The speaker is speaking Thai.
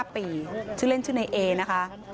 ๕ปีชื่อเล่นชื่อในเอนะคะ